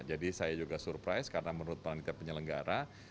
jadi saya juga surprise karena menurut penelitian penyelenggara